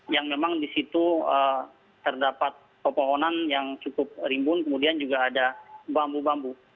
yang memang di situ terdapat pepohonan yang cukup rimbun kemudian juga ada bambu bambu